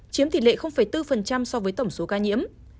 chiếm tỷ lệ bốn so với tổng số ca tử vong do covid một mươi chín tại việt nam